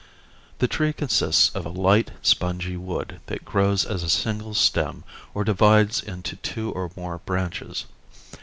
The tree consists of a light, spongy wood that grows as a single stem or divides into two or more branches.